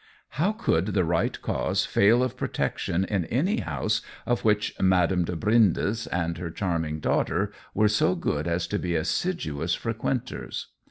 How could the right cause fail of protec tion in any house of which Madame de Brindes and her charming daughter were so good as to be assiduous frequenters?